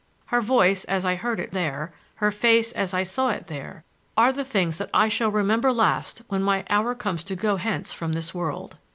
Her voice, as I heard it there,—her face, as I saw it there,—are the things that I shall remember last when my hour comes to go hence from this world.